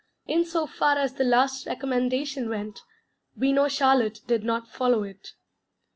In so far as the last recommendation went, we know Charlotte did not follow it.